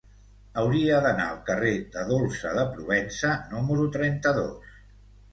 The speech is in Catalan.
Hauria d'anar al carrer de Dolça de Provença número trenta-dos.